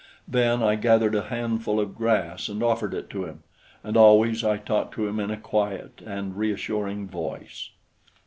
Then I gathered a handful of grass and offered it to him, and always I talked to him in a quiet and reassuring voice.